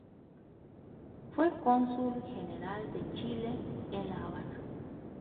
Fue cónsul general de Chile en la Habana.